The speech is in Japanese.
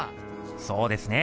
そうですね。